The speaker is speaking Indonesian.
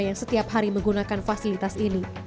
yang setiap hari menggunakan fasilitas ini